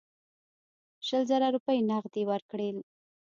شل زره روپۍ نغدي ورکړل.